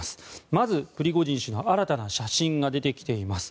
まず、プリゴジン氏の新たな写真が出てきています。